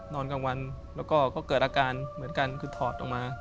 นอนกลางวันแล้วก็เกิดอาการเหมือนกันคือถอดออกมา